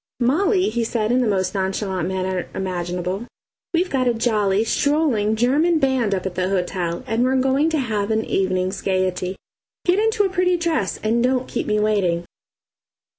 "Molly," he said in the most nonchalant manner imaginable, "we've got a jolly, strolling, German band up at the hotel; and we're going to have an evening's gaiety. Get into a pretty dress, and don't keep me waiting."